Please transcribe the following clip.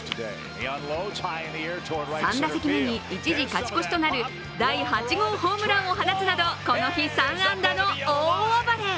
３打席目に一時勝ち越しとなる第８号ホームランを放つなどこの日３安打の大暴れ。